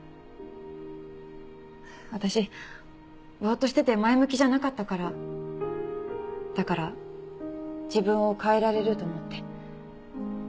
私ぼーっとしてて前向きじゃなかったからだから自分を変えられると思って。